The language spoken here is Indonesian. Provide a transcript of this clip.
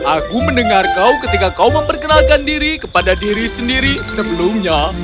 aku mendengar kau ketika kau memperkenalkan diri kepada diri sendiri sebelumnya